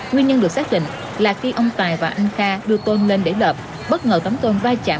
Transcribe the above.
nguyên nhân được xác định là khi ông tài và anh kha đưa tôm lên để lợp bất ngờ tấm tôn va chạm